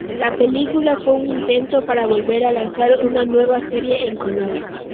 La película fue un intento para volver a lanzar una nueva serie en color.